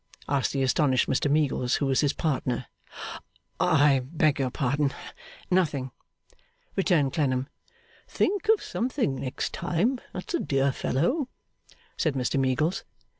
asked the astonished Mr Meagles, who was his partner. 'I beg your pardon. Nothing,' returned Clennam. 'Think of something, next time; that's a dear fellow,' said Mr Meagles.